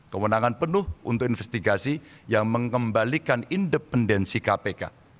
kewenangan penuh untuk investigasi yang mengembalikan independensi kpk